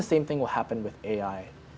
hal yang sama akan terjadi